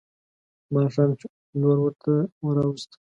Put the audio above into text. ماښام چې لور ورته راوسته.